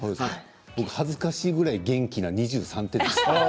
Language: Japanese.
僕は恥ずかしいぐらい元気な２３点でした。